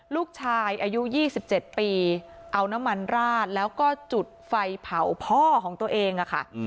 ลูกชายอายุ๒๗ปีเอาน้ำมันราดแล้วก็จุดไฟเผาพ่อของตัวเองค่ะ